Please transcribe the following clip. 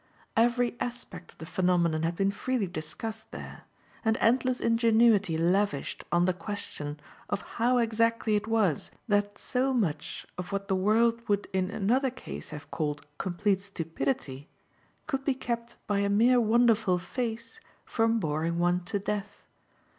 Every aspect of the phenomenon had been freely discussed there and endless ingenuity lavished on the question of how exactly it was that so much of what the world would in another case have called complete stupidity could be kept by a mere wonderful face from boring one to death.